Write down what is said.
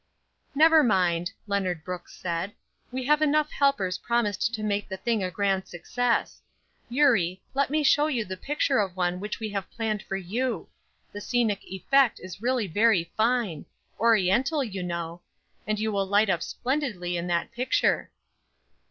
"Never mind," Leonard Brooks said, "we have enough helpers promised to make the thing a grand success. Eurie, let me show you the picture of one which we have planned for you; the scenic effect is really very fine Oriental, you know; and you will light up splendidly in that picture."